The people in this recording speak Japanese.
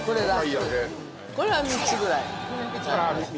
これは３つぐらい。